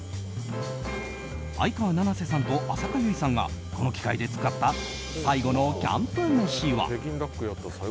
相川七瀬さんと浅香唯さんがこの機械で作った最後のキャンプ飯は。